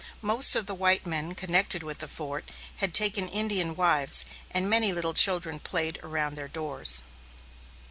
Most of the white men connected with the fort had taken Indian wives and many little children played around their doors.